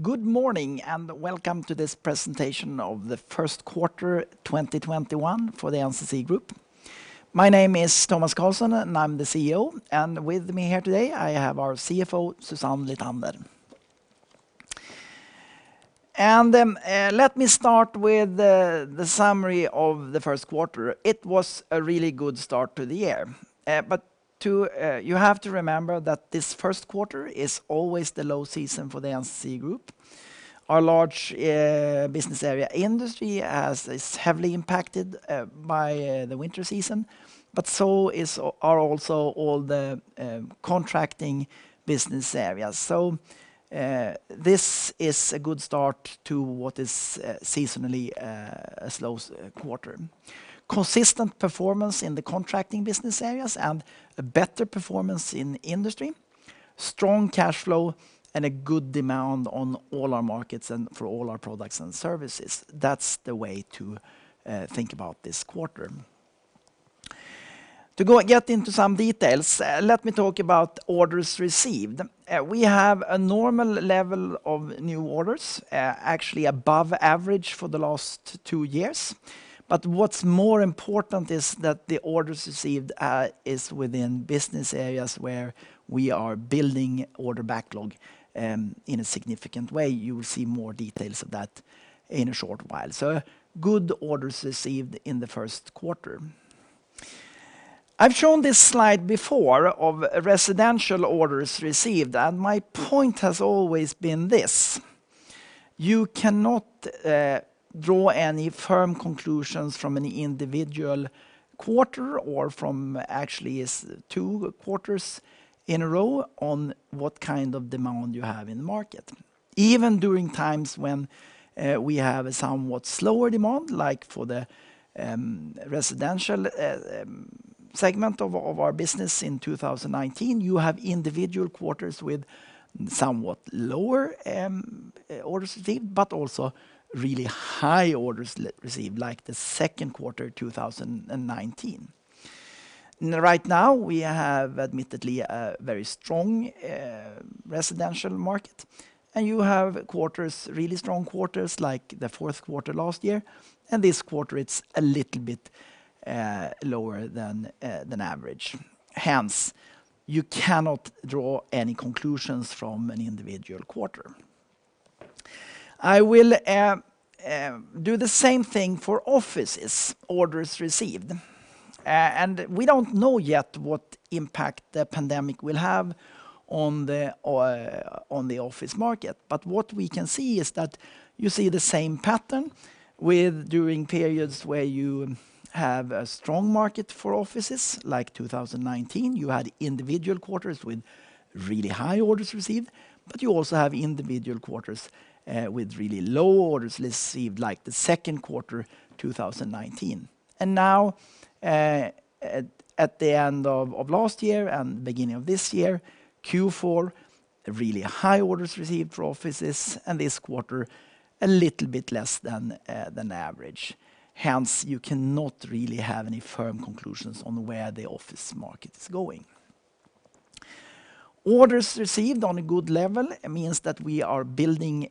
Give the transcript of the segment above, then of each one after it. Good morning, and welcome to this presentation of the first quarter 2021 for the NCC Group. My name is Tomas Carlsson, and I'm the Chief Executive Officer. With me here today, I have our Chief Financial Officer, Susanne Lithander. Let me start with the summary of the first quarter. It was a really good start to the year. You have to remember that this first quarter is always the low season for the NCC Group. Our large business area Infrastructure is heavily impacted by the winter season, but so are also all the contracting business areas. This is a good start to what is seasonally a slow quarter. Consistent performance in the contracting business areas and a better performance in Infrastructure, strong cash flow, and a good demand on all our markets and for all our products and services. That's the way to think about this quarter. To get into some details, let me talk about orders received. We have a normal level of new orders, actually above average for the last two years. What's more important is that the orders received is within business areas where we are building order backlog in a significant way. You will see more details of that in a short while. Good orders received in the first quarter. I've shown this slide before of residential orders received. My point has always been this. You cannot draw any firm conclusions from any individual quarter or from actually two quarters in a row on what kind of demand you have in the market. Even during times when we have a somewhat slower demand, like for the residential segment of our business in 2019, you have individual quarters with somewhat lower orders received, but also really high orders received, like the second quarter 2019. Right now, we have admittedly a very strong residential market, and you have really strong quarters like the fourth quarter last year. This quarter, it's a little bit lower than average. Hence, you cannot draw any conclusions from an individual quarter. I will do the same thing for offices orders received. We don't know yet what impact the pandemic will have on the office market. What we can see is that you see the same pattern with during periods where you have a strong market for offices, like 2019, you had individual quarters with really high orders received, but you also have individual quarters with really low orders received, like the second quarter 2019. Now, at the end of last year and beginning of this year, Q4, really high orders received for offices, and this quarter, a little bit less than average. Hence, you cannot really have any firm conclusions on where the office market is going. Orders received on a good level. It means that we are building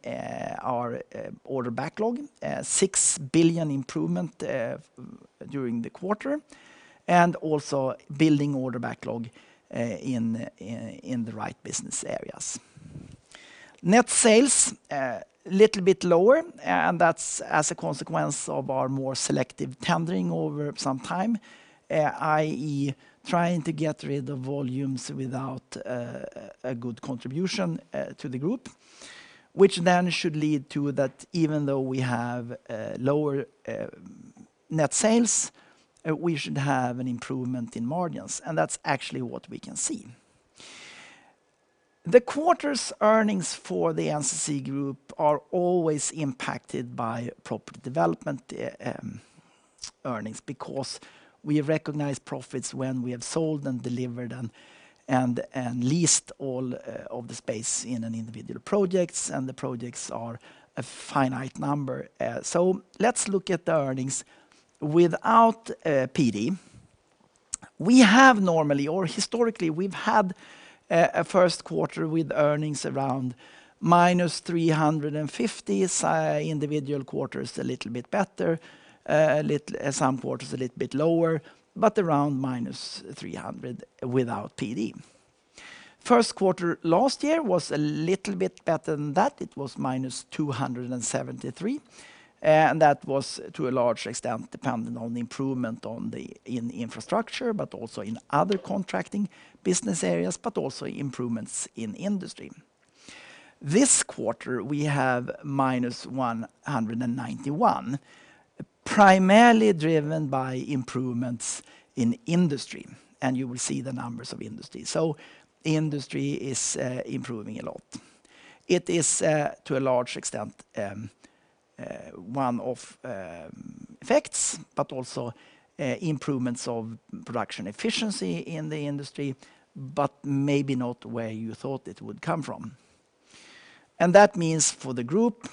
our order backlog, 6 billion improvement during the quarter, and also building order backlog in the right business areas. Net sales, a little bit lower, and that's as a consequence of our more selective tendering over some time, i.e. trying to get rid of volumes without a good contribution to the group, which should lead to that, even though we have lower net sales, we should have an improvement in margins. That's actually what we can see. The quarter's earnings for the NCC Group are always impacted by property development earnings because we recognize profits when we have sold and delivered and leased all of the space in an individual project. The projects are a finite number. Let's look at the earnings without PD. Historically, we've had a first quarter with earnings around -350 million. Individual quarter is a little bit better, some quarters a little bit lower, but around -300 million without PD. First quarter last year was a little bit better than that. It was -273 million, that was to a large extent dependent on the improvement in Infrastructure, but also in other contracting business areas, but also improvements in Industry. This quarter, we have -191 million, primarily driven by improvements in Industry, and you will see the numbers of Industry. Industry is improving a lot. It is to a large extent one-off effects, but also improvements of production efficiency in the Industry, but maybe not where you thought it would come from. That means for the group,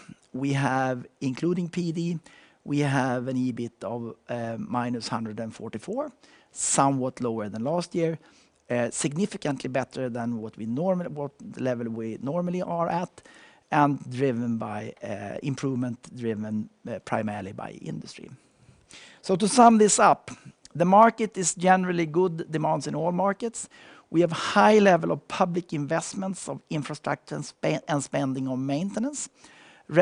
including PD, we have an EBIT of -144 million, somewhat lower than last year, significantly better than what level we normally are at, and improvement driven primarily by Industry. To sum this up, the market is generally good demands in all markets. We have high level of public investments of Infrastructure and spending on maintenance.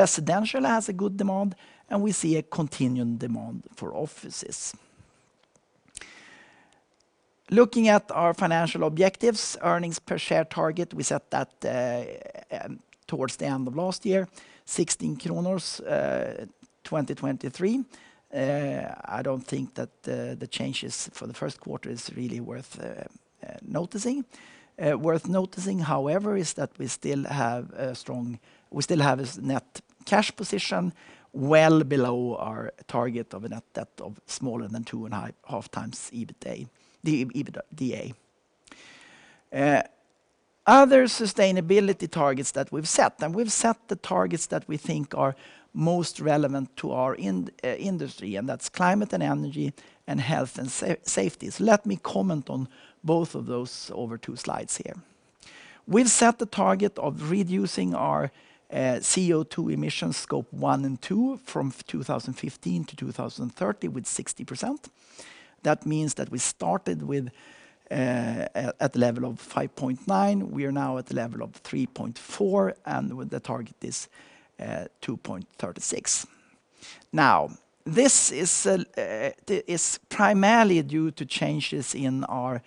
Residential has a good demand, and we see a continuing demand for offices. Looking at our financial objectives, earnings per share target, we set that towards the end of last year, 16 2023. I don't think that the changes for the first quarter is really worth noticing. Worth noticing, however, is that we still have a net cash position well below our target of a net debt of smaller than 2.5x EBITDA. Other sustainability targets that we've set, and we've set the targets that we think are most relevant to our industry, and that's climate and energy and health and safety. Let me comment on both of those over two slides here. We've set the target of reducing our CO2 emissions, Scope 1 and Scope 2, from 2015-2030 with 60%. That means that we started at the level of 5.9, we are now at the level of 3.4, and the target is 2.36. This is primarily due to changes in our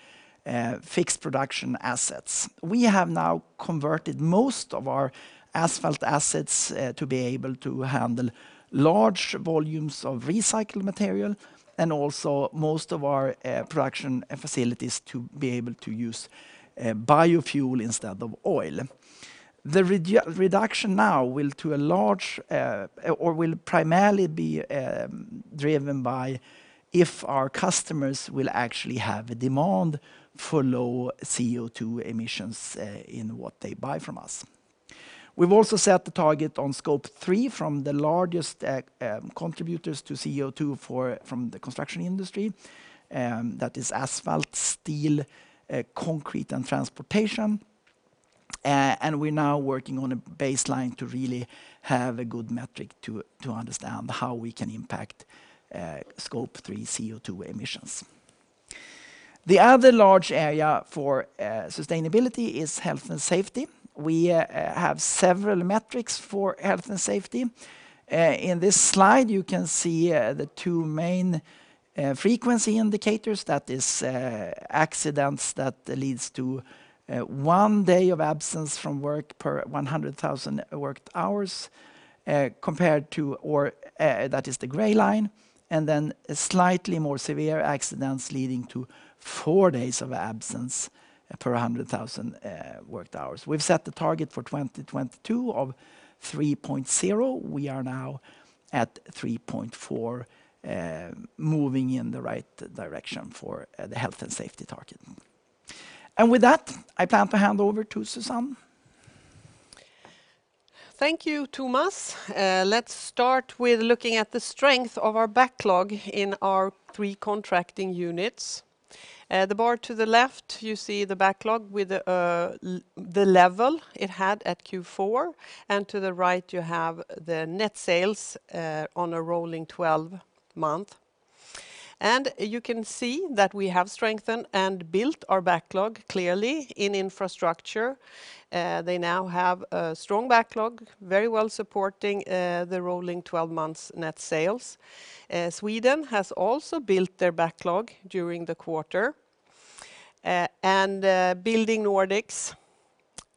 fixed production assets. We have now converted most of our asphalt assets to be able to handle large volumes of recycled material, and also most of our production facilities to be able to use biofuel instead of oil. The reduction now will primarily be driven by if our customers will actually have a demand for low CO2 emissions in what they buy from us. We've also set the target on Scope 3 from the largest contributors to CO2 from the construction industry. That is asphalt, steel, concrete, and transportation. We're now working on a baseline to really have a good metric to understand how we can impact Scope 3 CO2 emissions. The other large area for sustainability is health and safety. We have several metrics for health and safety. In this slide, you can see the two main frequency indicators. That is, accidents that leads to one day of absence from work per 100,000 worked hours compared to—or, that is the gray line, and then slightly more severe accidents leading to four days of absence per 100,000 worked hours. We've set the target for 2022 of 3.0. We are now at 3.4, moving in the right direction for the health and safety target. With that, I plan to hand over to Susanne. Thank you, Tomas. Let's start with looking at the strength of our backlog in our three contracting units. The bar to the left, you see the backlog with the level it had at Q4, and to the right, you have the net sales on a rolling 12-month. You can see that we have strengthened and built our backlog clearly in Infrastructure. They now have a strong backlog, very well supporting the rolling 12-month net sales. Sweden has also built their backlog during the quarter. Building Nordics,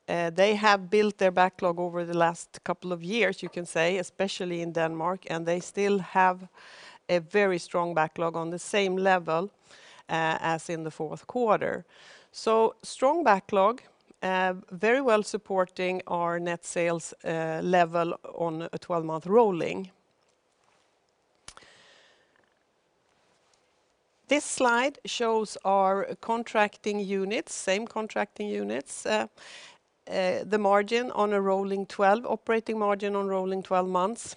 they have built their backlog over the last couple of years, you can say, especially in Denmark, and they still have a very strong backlog on the same level as in the fourth quarter. Strong backlog, very well supporting our net sales level on a 12-month rolling. This slide shows our contracting units, same contracting units. The operating margin on rolling 12 months,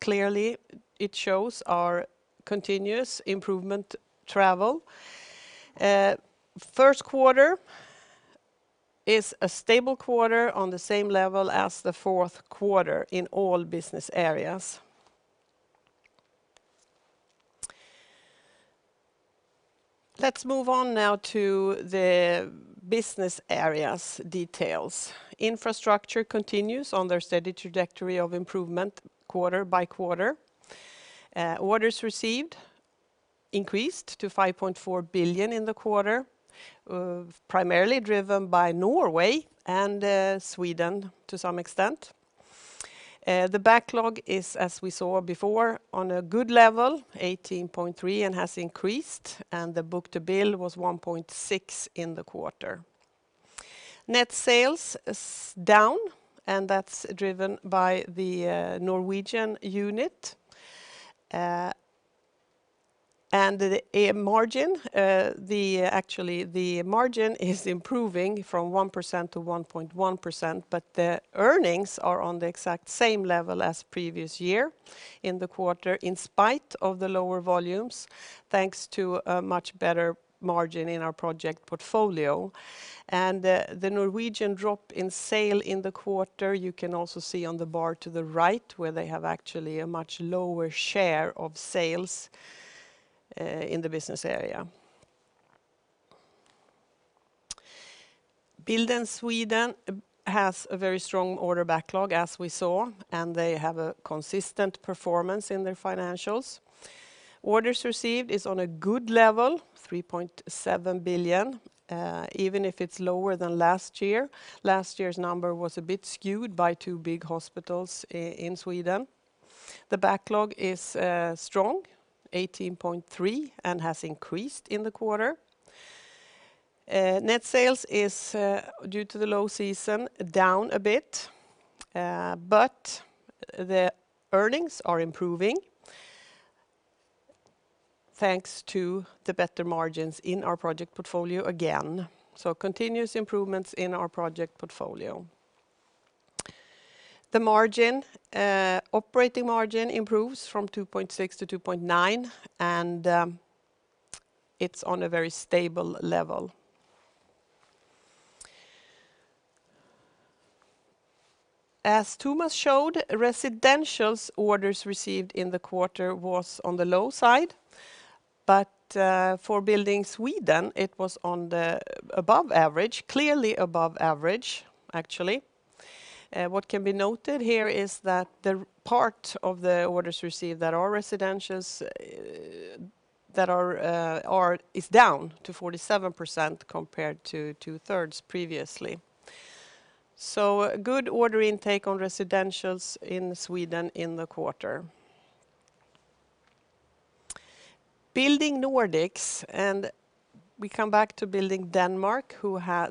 clearly it shows our continuous improvement travel. First quarter is a stable quarter on the same level as the fourth quarter in all business areas. Let's move on now to the business areas details. Infrastructure continues on their steady trajectory of improvement quarter by quarter. Orders received increased to 5.4 billion in the quarter, primarily driven by Norway and Sweden to some extent. The backlog is, as we saw before, on a good level, 18.3 billion, has increased, the book-to-bill was 1.6 billion in the quarter. Net sales is down, that's driven by the Norwegian unit. Actually, the margin is improving from 1% to 1.1%, the earnings are on the exact same level as previous year in the quarter, in spite of the lower volumes, thanks to a much better margin in our project portfolio. The Norwegian drop in sale in the quarter, you can also see on the bar to the right where they have actually a much lower share of sales in the business area. Building Sweden has a very strong order backlog as we saw, they have a consistent performance in their financials. Orders received is on a good level 3.7 billion, even if it's lower than last year. Last year's number was a bit skewed by two big hospitals in Sweden. The backlog is strong, 18.3 billion, has increased in the quarter. Net Sales is, due to the low season, down a bit. The earnings are improving, thanks to the better margins in our project portfolio again. Continuous improvements in our project portfolio. The margin, operating margin improves from 2.6% to 2.9%, and it's on a very stable level. As Tomas showed, residentials orders received in the quarter was on the low side. For Building Sweden, it was on the above average. Clearly above average, actually. What can be noted here is that the part of the orders received that are residentials is down to 47% compared to two-thirds previously. Good order intake on residentials in Sweden in the quarter. Building Nordics, and we come back to Building Denmark,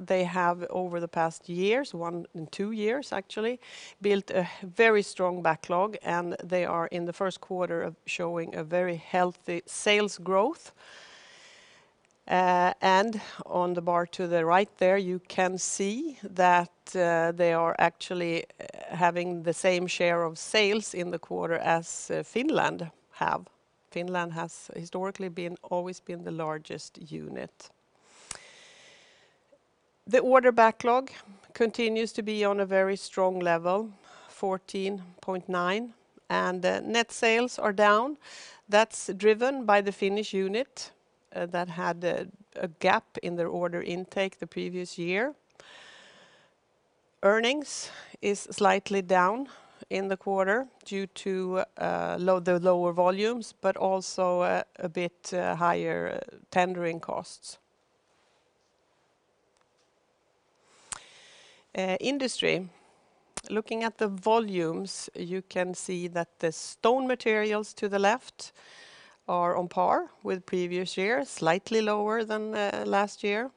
they have over the past years, one and two years actually, built a very strong backlog, and they are in the first quarter of showing a very healthy sales growth. On the bar to the right there, you can see that they are actually having the same share of sales in the quarter as Finland have. Finland has historically always been the largest unit. The order backlog continues to be on a very strong level, 14.9 billion. Net sales are down. That's driven by the Finnish unit that had a gap in their order intake the previous year. Earnings is slightly down in the quarter due to the lower volumes, but also a bit higher tendering costs. Industry. Looking at the volumes, you can see that the stone materials to the left are on par with previous years, slightly lower than last year.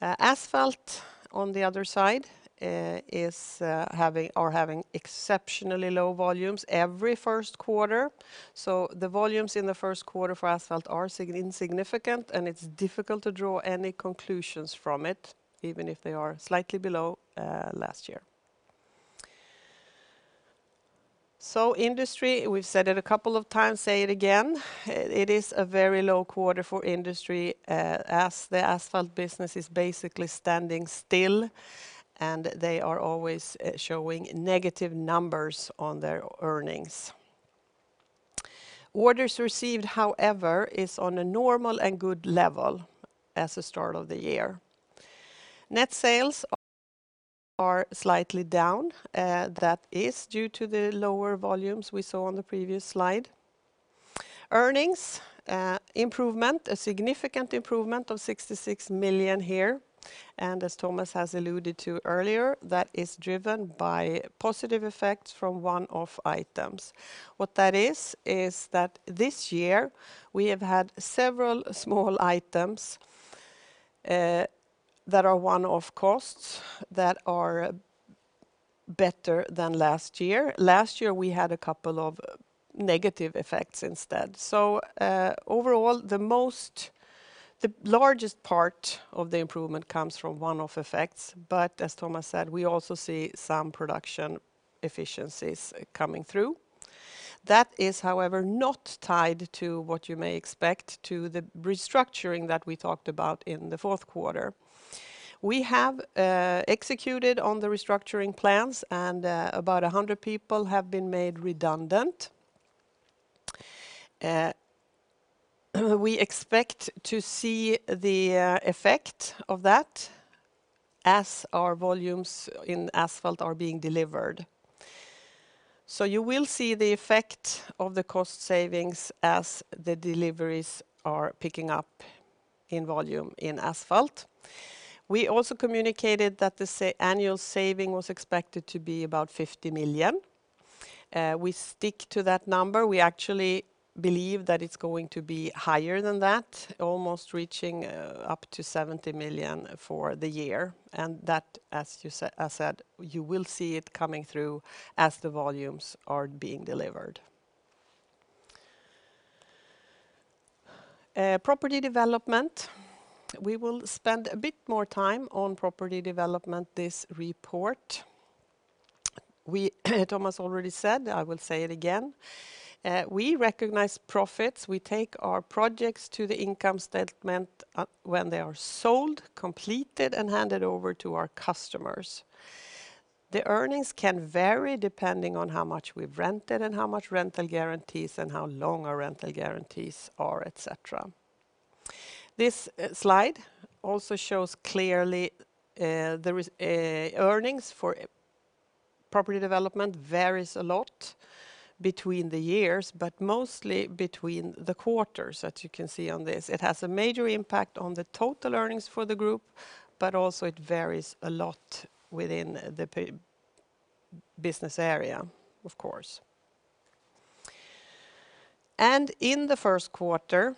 Asphalt on the other side are having exceptionally low volumes every first quarter. The volumes in the first quarter for Asphalt are insignificant, and it's difficult to draw any conclusions from it, even if they are slightly below last year. Industry, we've said it a couple of times, say it again, it is a very low quarter for industry as the asphalt business is basically standing still, and they are always showing negative numbers on their earnings. Orders received, however, is on a normal and good level as the start of the year. Net sales are slightly down. That is due to the lower volumes we saw on the previous slide. Earnings improvement, a significant improvement of 66 million here. As Tomas has alluded to earlier, that is driven by positive effects from one-off items. What that is that this year we have had several small items that are one-off costs that are better than last year. Last year, we had a couple of negative effects instead. Overall the largest part of the improvement comes from one-off effects. As Tomas said, we also see some production efficiencies coming through. That is, however, not tied to what you may expect to the restructuring that we talked about in the fourth quarter. We have executed on the restructuring plans, and about 100 people have been made redundant. We expect to see the effect of that as our volumes in Asphalt are being delivered. You will see the effect of the cost savings as the deliveries are picking up in volume in asphalt. We also communicated that the annual saving was expected to be about 50 million. We stick to that number. We actually believe that it's going to be higher than that, almost reaching up to 70 million for the year. That, as I said, you will see it coming through as the volumes are being delivered. Property development. We will spend a bit more time on property development this report. Tomas already said, I will say it again. We recognize profits. We take our projects to the income statement when they are sold, completed, and handed over to our customers. The earnings can vary depending on how much we've rented and how much rental guarantees and how long our rental guarantees are, et cetera. This slide also shows clearly earnings for property development varies a lot between the years, but mostly between the quarters, as you can see on this. It has a major impact on the total earnings for the group, but also it varies a lot within the business area, of course. In the first quarter,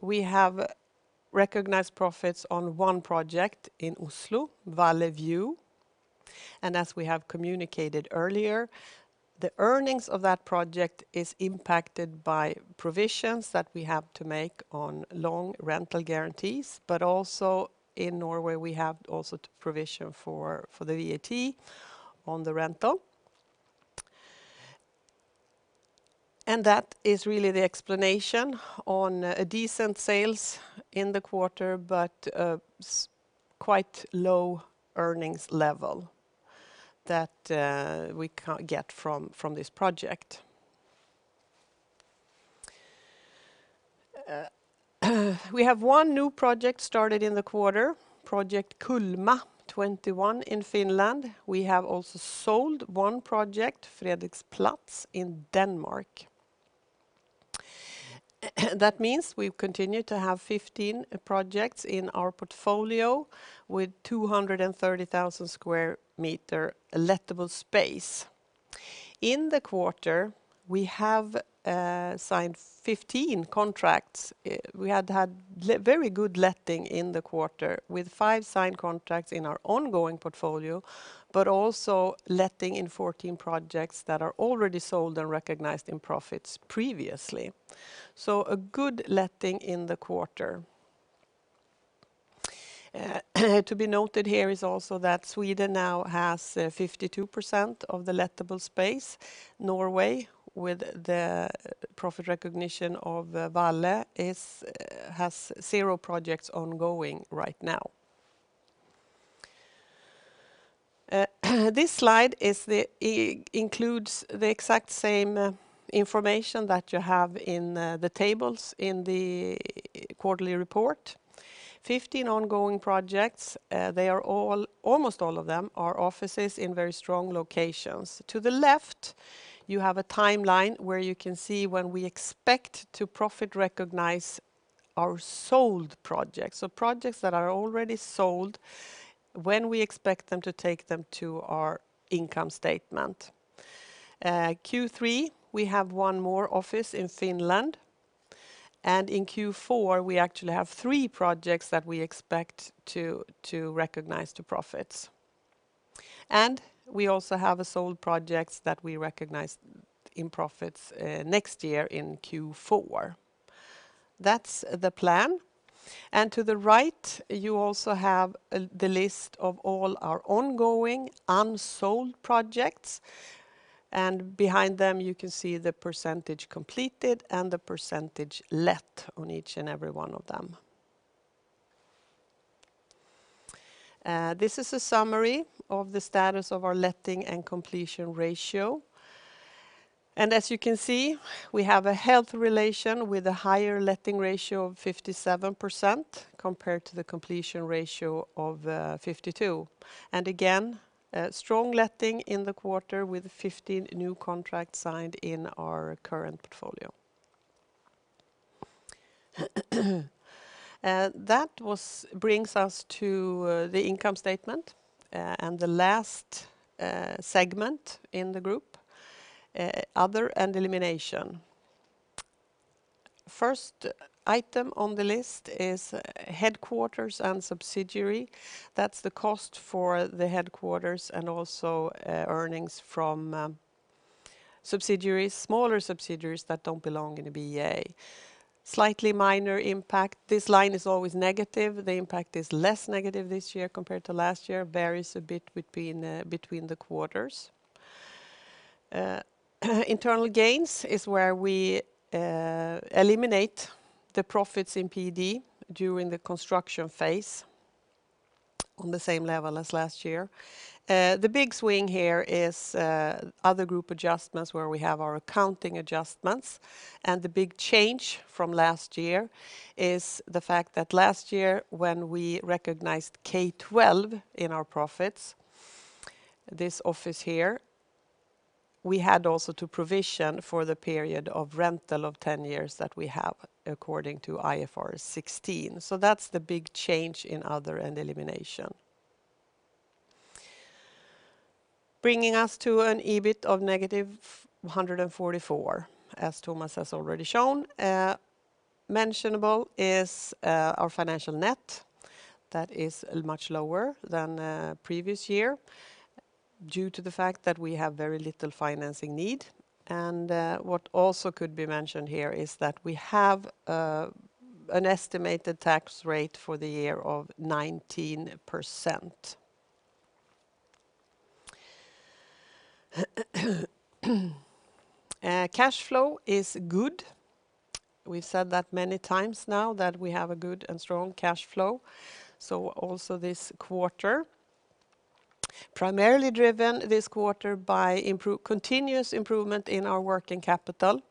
we have recognized profits on one project in Oslo, Valle View. As we have communicated earlier, the earnings of that project is impacted by provisions that we have to make on long rental guarantees. Also in Norway, we have also provision for the VAT on the rental. That is really the explanation on a decent sales in the quarter, but quite low earnings level that we get from this project. We have one new project started in the quarter, Project Kulma21 in Finland. We have also sold one project, Frederiks Plads in Denmark. That means we've continued to have 15 projects in our portfolio with 230,000 sq m lettable space. In the quarter, we have signed 15 contracts. We had very good letting in the quarter with five signed contracts in our ongoing portfolio, but also letting in 14 projects that are already sold and recognized in profits previously. A good letting in the quarter. To be noted here is also that Sweden now has 52% of the lettable space. Norway, with the profit recognition of Valle, has zero projects ongoing right now. This slide includes the exact same information that you have in the tables in the quarterly report. 15 ongoing projects, almost all of them are offices in very strong locations. To the left, you have a timeline where you can see when we expect to profit recognize our sold projects. Projects that are already sold, when we expect them to take them to our income statement. Q3, we have one more office in Finland, and in Q4, we actually have three projects that we expect to recognize to profits. We also have a sold project that we recognize in profits next year in Q4. That's the plan. To the right, you also have the list of all our ongoing unsold projects, and behind them, you can see the percentage completed and the percentage let on each and every one of them. This is a summary of the status of our letting and completion ratio. As you can see, we have a healthy relation with a higher letting ratio of 57% compared to the completion ratio of 52%. Again, strong letting in the quarter with 15 new contracts signed in our current portfolio. That brings us to the income statement and the last segment in the group, Other and Elimination. First item on the list is Headquarters and Subsidiary. That's the cost for the headquarters and also earnings from subsidiaries, smaller subsidiaries that don't belong in a BA. Slightly minor impact. This line is always negative. The impact is less negative this year compared to last year, varies a bit between the quarters. Internal gains is where we eliminate the profits in PD during the construction phase on the same level as last year. The big swing here is other group adjustments where we have our accounting adjustments, and the big change from last year is the fact that last year, when we recognized K12 in our profits, this office here, we had also to provision for the period of rental of 10 years that we have according to IFRS 16. That's the big change in other and elimination. Bringing us to an EBIT of -144 million, as Tomas has already shown. Mentionable is our financial net. That is much lower than previous year due to the fact that we have very little financing need. What also could be mentioned here is that we have an estimated tax rate for the year of 19%. Cash flow is good. We've said that many times now that we have a good and strong cash flow. This quarter, primarily driven this quarter by continuous improvement in our working capital.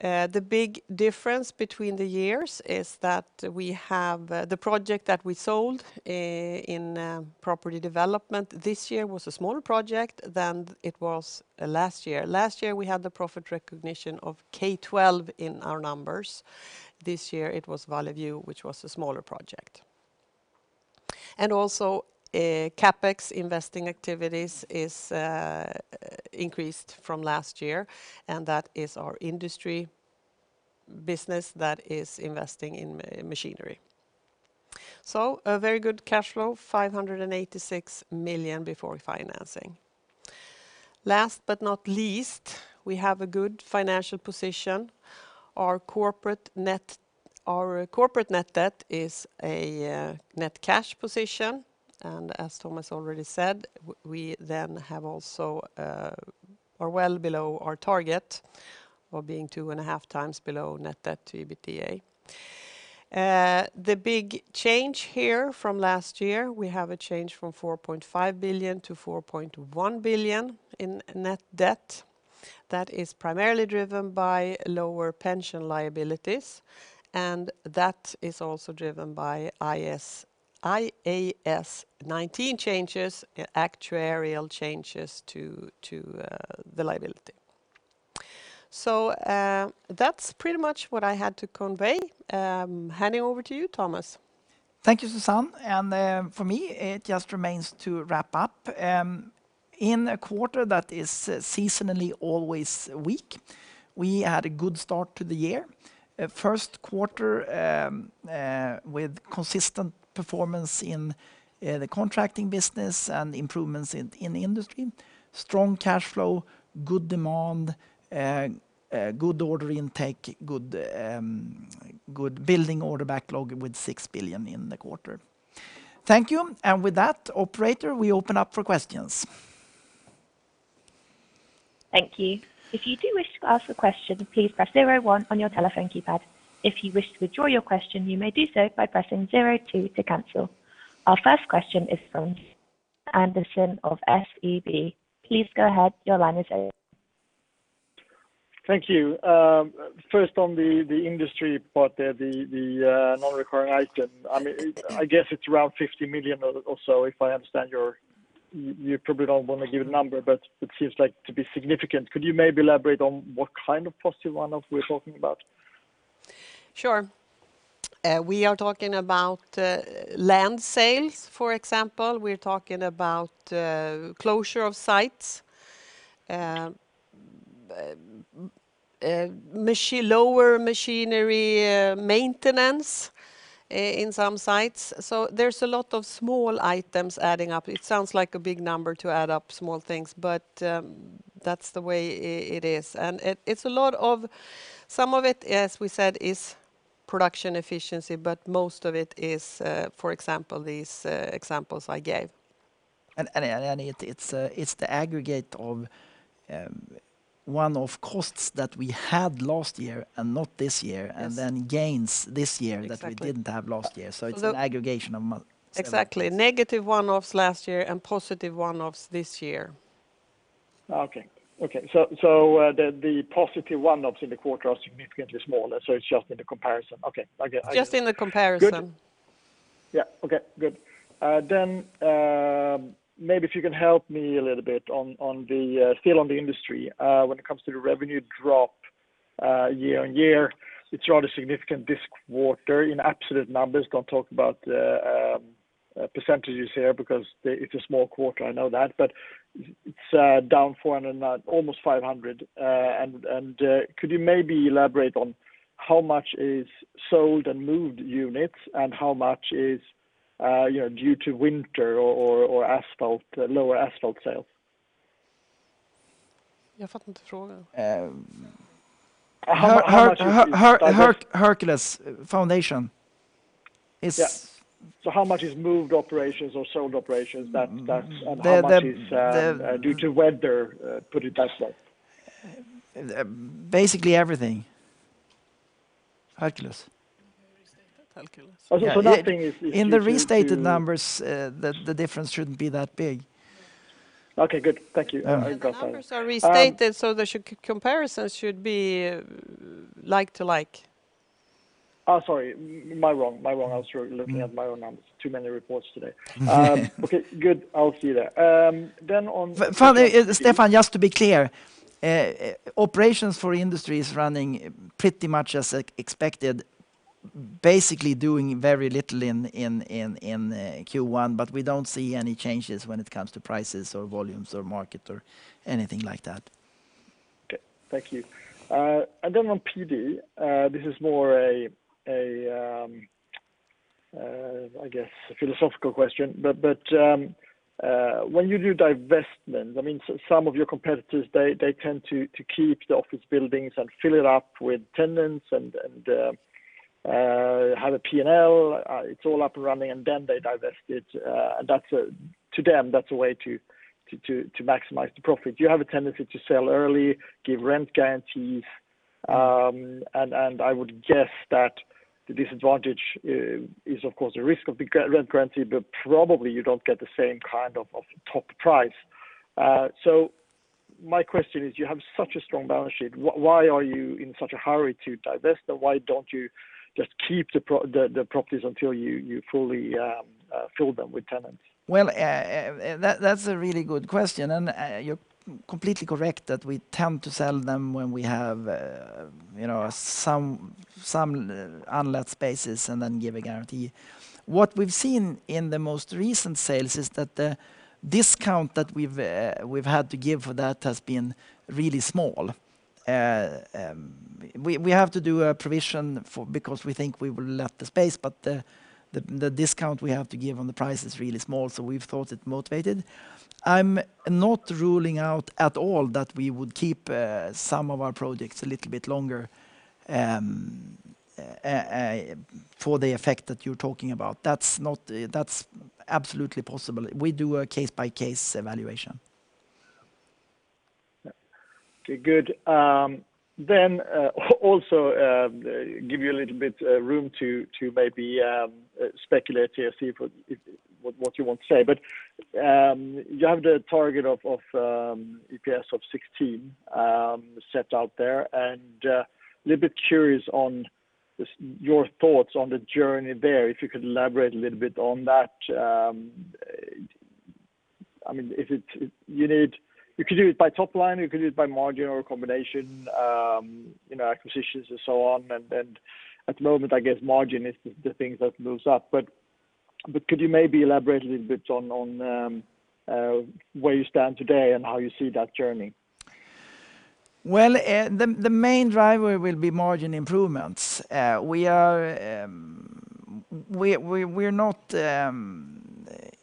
The big difference between the years is that we have the project that we sold in property development this year was a smaller project than it was last year. Last year, we had the profit recognition of K12 in our numbers. This year it was Valle View, which was a smaller project. CapEx investing activities is increased from last year, and that is our industry business that is investing in machinery. A very good cash flow, 586 million before financing. Last but not least, we have a good financial position. Our corporate net debt is a net cash position, and as Tomas already said, we then are well below our target of being 2.5x below net debt to EBITDA. The big change here from last year, we have a change from 4.5 billion to 4.1 billion in net debt. That is primarily driven by lower pension liabilities, and that is also driven by IAS 19 changes, actuarial changes to the liability. That's pretty much what I had to convey. Handing over to you, Tomas. Thank you, Susanne. For me, it just remains to wrap up. In a quarter that is seasonally always weak, we had a good start to the year. First quarter with consistent performance in the contracting business and improvements in industry, strong cash flow, good demand, good order intake, good building order backlog with 6 billion in the quarter. Thank you. With that, Operator, we open up for questions. Thank you. If you do wish to ask a question press zero one on your telephone keypad. If you wish to withdraw you may do so by pressing zero two to cancel. Our first question is from Andersson of SEB, please go ahead your line is open. Thank you. First on the industry part there, the non-recurring item. I guess it's around 50 million or so if I understand. You probably don't want to give a number, but it seems to be significant. Could you maybe elaborate on what kind of positive one-off we're talking about? Sure. We are talking about land sales, for example. We're talking about closure of sites, lower machinery maintenance in some sites. There's a lot of small items adding up. It sounds like a big number to add up small things, but that's the way it is. Some of it, as we said, is production efficiency, but most of it is, for example, these examples I gave. It's the aggregate of one-off costs that we had last year and not this year. Gains this year that we didn't have last year. It's an aggregation of several things. Exactly. Negative one-offs last year and positive one-offs this year. The positive one-offs in the quarter are significantly smaller, so it's just in the comparison. I get it. Just in the comparison. Good. Yeah. Okay, good. Maybe if you can help me a little bit still on the industry. When it comes to the revenue drop year-over-year, it's rather significant this quarter in absolute numbers. Don't talk about percentages here because it's a small quarter, I know that. It's down almost 500 million. Could you maybe elaborate on how much is sold and moved units and how much is due to winter or lower Asphalt sales? I don't understand the question. Hercules Foundation Yeah. How much is moved operations or sold operations, and how much is due to weather, put it that way? Basically everything. Hercules. The restated Hercules. Okay. Nothing is due. In the restated numbers, the difference shouldn't be that big. Okay, good. Thank you. I got that. The numbers are restated, so the comparison should be like-to-like. Sorry. My wrong. I was looking at my own numbers. Too many reports today. Okay, good. I'll see you then. Stefan, just to be clear, operations for industry is running pretty much as expected, basically doing very little in Q1, but we don't see any changes when it comes to prices or volumes or market or anything like that. Okay. Thank you. On PD, this is more I guess a philosophical question, but when you do divestment, some of your competitors, they tend to keep the office buildings and fill it up with tenants and have a P&L. It's all up and running, and then they divest it. To them, that's a way to maximize the profit. You have a tendency to sell early, give rent guarantees, and I would guess that the disadvantage is, of course, the risk of the rent guarantee, but probably you don't get the same kind of top price. My question is, you have such a strong balance sheet, why are you in such a hurry to divest? Why don't you just keep the properties until you fully fill them with tenants? Well, that's a really good question, and you're completely correct that we tend to sell them when we have some unlet spaces and then give a guarantee. What we've seen in the most recent sales is that the discount that we've had to give for that has been really small. We have to do a provision because we think we will let the space, but the discount we have to give on the price is really small, so we've thought it motivated. I'm not ruling out at all that we would keep some of our projects a little bit longer for the effect that you're talking about. That's absolutely possible. We do a case-by-case evaluation. Okay, good. Also give you a little bit room to maybe speculate here, see what you want to say. You have the target of EPS of 16 set out there, and a little bit curious on your thoughts on the journey there, if you could elaborate a little bit on that. You could do it by top line, you could do it by margin or a combination, acquisitions and so on. At the moment, I guess margin is the thing that moves up. Could you maybe elaborate a little bit on where you stand today and how you see that journey? Well, the main driver will be margin improvements. We're not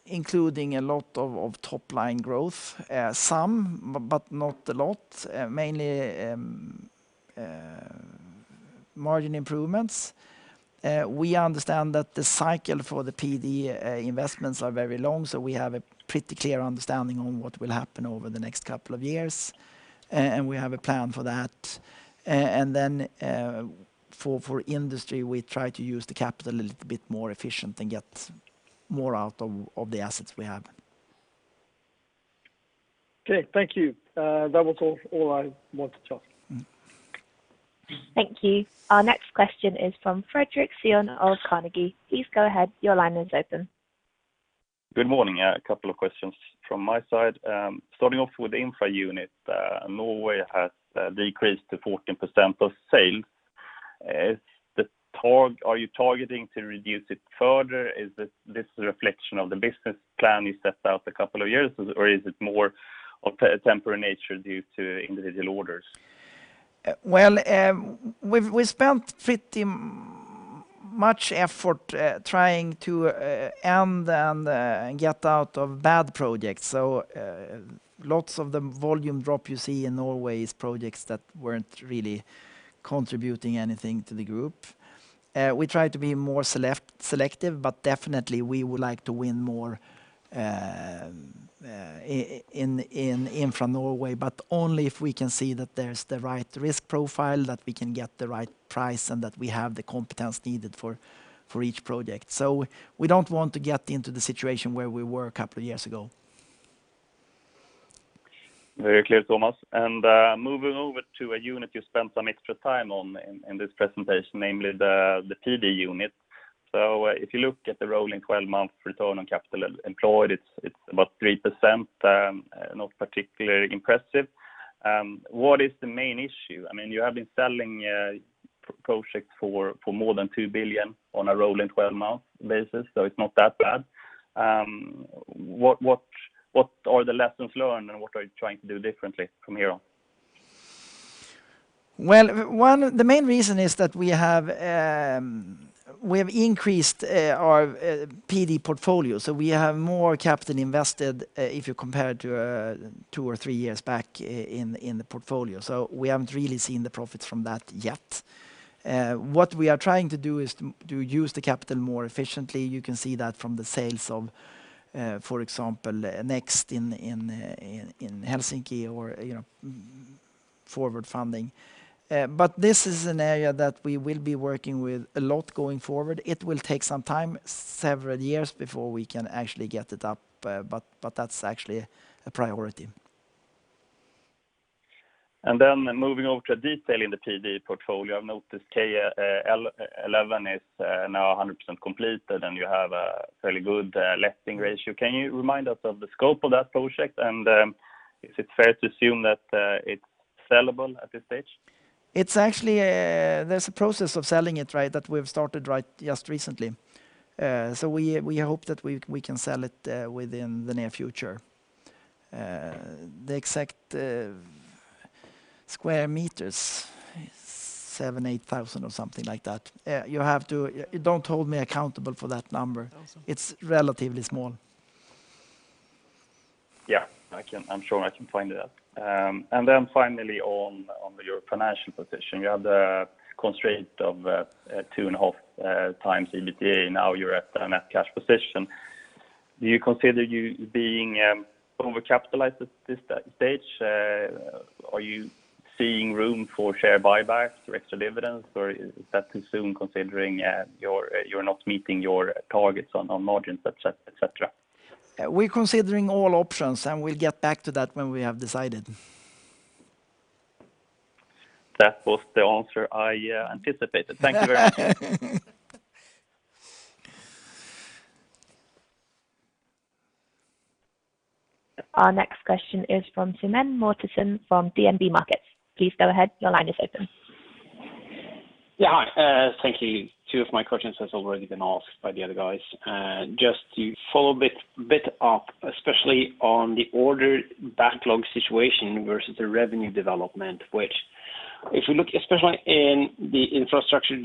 including a lot of top-line growth. Some, not a lot. Mainly margin improvements. We understand that the cycle for the PD investments are very long, we have a pretty clear understanding on what will happen over the next couple of years, we have a plan for that. For Industry, we try to use the capital a little bit more efficient and get more out of the assets we have. Okay, thank you. That was all I wanted to ask. Thank you. Our next question is from Fredrik Cyon of Carnegie. Please go ahead, your line is open. Good morning? A couple of questions from my side. Starting off with the infra unit, Norway has decreased to 14% of sales. Are you targeting to reduce it further? Is this a reflection of the business plan you set out a couple of years, or is it more of a temporary nature due to individual orders? Well, we've spent pretty much effort trying to end and get out of bad projects. Lots of the volume drop you see in Norway is projects that weren't really contributing anything to the group. We try to be more selective, but definitely we would like to win more in Infrastructure Norway, but only if we can see that there's the right risk profile, that we can get the right price, and that we have the competence needed for each project. We don't want to get into the situation where we were a couple of years ago. Very clear, Tomas. Moving over to a unit you spent some extra time on in this presentation, namely the PD unit. If you look at the rolling 12-month return on capital employed, it's about 3%, not particularly impressive. What is the main issue? You have been selling projects for more than 2 billion on a rolling 12-month basis, so it's not that bad. What are the lessons learned and what are you trying to do differently from here on? The main reason is that we have increased our PD portfolio, so we have more capital invested, if you compare it to two or three years back in the portfolio. We haven't really seen the profits from that yet. What we are trying to do is to use the capital more efficiently. You can see that from the sales of, for example, Next in Helsinki or forward funding. This is an area that we will be working with a lot going forward. It will take some time, several years before we can actually get it up, but that's actually a priority. Moving over to detail in the PD portfolio, I've noticed K11 is now 100% completed, and you have a fairly good letting ratio. Can you remind us of the scope of that project, and is it fair to assume that it's sellable at this stage? There's a process of selling it that we've started just recently. We hope that we can sell it within the near future. The exact square meters, 7,800 sq m or something like that. Don't hold me accountable for that number. It's relatively small. Yeah, I'm sure I can find it out. Finally on your financial position, you had a constraint of two and a half times EBITDA. Now you're at a net cash position. Do you consider you being over-capitalized at this stage? Are you seeing room for share buybacks or extra dividends, or is that too soon considering you're not meeting your targets on margins, et cetera? We're considering all options. We'll get back to that when we have decided. That was the answer I anticipated. Thank you very much. Our next question is from Simen Mortensen from DNB Markets. Please go ahead, your line is open. Yeah. Hi, thank you. Two of my questions has already been asked by the other guys. Just to follow a bit up, especially on the order backlog situation versus the revenue development, which if you look especially in the Infrastructure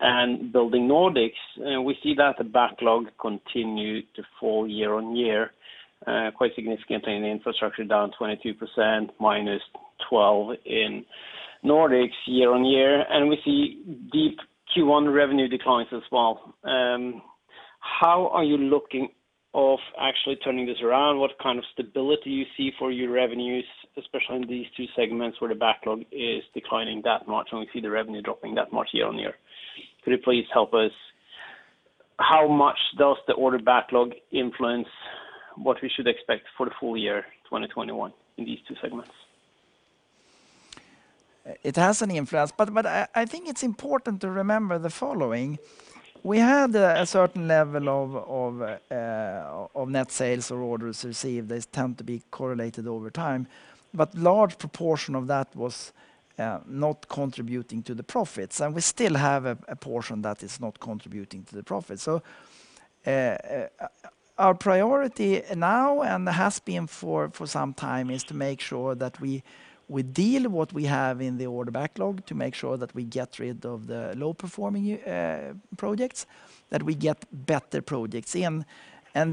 and Building Nordics, we see that the backlog continued to fall year-on-year, quite significantly in the Infrastructure, down 22%, -12% in Nordics year-on-year, and we see deep Q1 revenue declines as well. How are you looking of actually turning this around? What kind of stability you see for your revenues, especially in these two segments where the backlog is declining that much, and we see the revenue dropping that much year-on-year? Could you please help us, how much does the order backlog influence what we should expect for the full year 2021 in these two segments? It has an influence. I think it's important to remember the following. We had a certain level of net sales or orders received. They tend to be correlated over time. Large proportion of that was not contributing to the profits. We still have a portion that is not contributing to the profits. Our priority now, has been for some time, is to make sure that we deal what we have in the order backlog to make sure that we get rid of the low-performing projects, that we get better projects in. In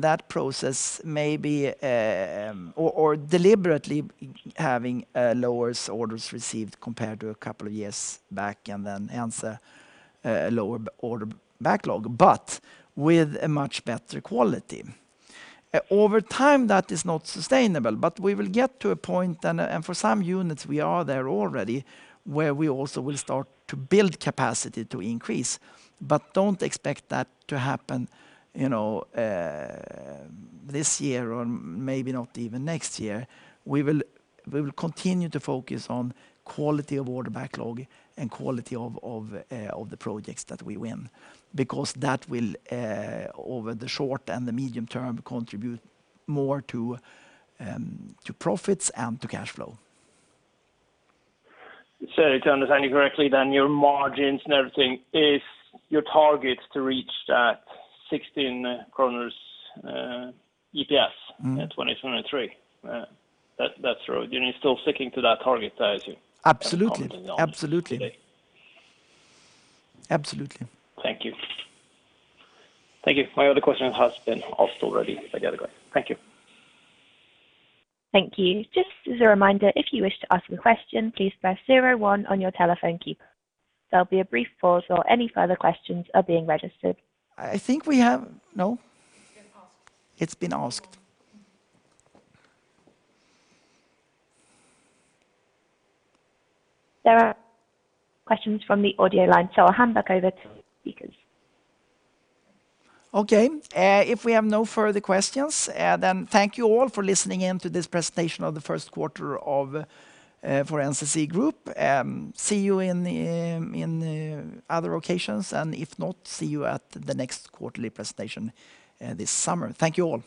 that process, maybe, or deliberately having lower orders received compared to a couple of years back, hence a lower order backlog, with a much better quality. Over time, that is not sustainable. We will get to a point, and for some units we are there already, where we also will start to build capacity to increase. Do not expect that to happen this year or maybe not even next year. We will continue to focus on quality of order backlog and quality of the projects that we win, because that will, over the short and the medium term, contribute more to profits and to cash flow. To understand you correctly then, your margins and everything, is your target to reach that 16 kronor EPS? in 2023? That's right. You're still sticking to that target. Absolutely today. Absolutely. Thank you. My other question has been asked already by the other guy. Thank you. Thank you. Just as a reminder, if you wish to ask a question, please press zero one on your telephone keypad. There'll be a brief pause while any further questions are being registered. No? It's been asked. There are questions from the audio line, so I'll hand back over to the speakers. Okay. If we have no further questions, thank you all for listening in to this presentation of the first quarter for NCC Group. See you in other occasions and, if not, see you at the next quarterly presentation this summer. Thank you all